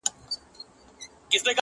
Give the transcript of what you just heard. پرون یې بیا له هغه ښاره جنازې وایستې.!